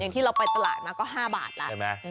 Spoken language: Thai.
อย่างที่เราไปตลาดมาก็๕บาทละ